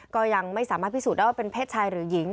ก็ยังไม่สามารถพิสูจนได้ว่าเป็นเพศชายหรือหญิง